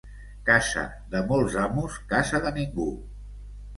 Casa de molts amos, casa de ningú.